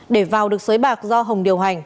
để vào được sới bạc do hồng điều hành